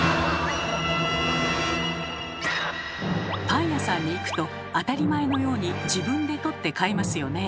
パン屋さんに行くと当たり前のように自分で取って買いますよね。